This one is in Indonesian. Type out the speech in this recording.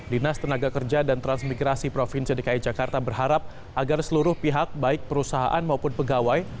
dinas tenaga kerja dan transmigrasi provinsi dki jakarta berharap agar seluruh pihak baik perusahaan maupun pegawai